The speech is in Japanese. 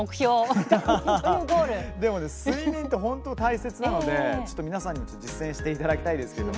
でも睡眠って本当に大切なので皆さんにも実践していただきたいです。